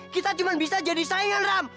kita cuma bisa jadi saya ram